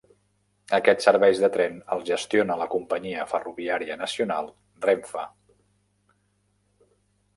Aquests serveis de tren els gestiona la companyia ferroviària nacional Renfe.